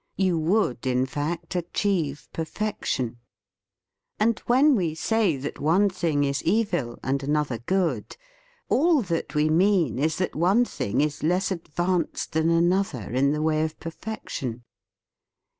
You would in fact achieve perfection. And when we say THE FEAST OF ST FRIEND that one thing is evil and another good, all that we mean is that one thing is less advanced than another in the way of perfection.